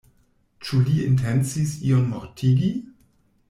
Ĉu li intencis iun mortigi?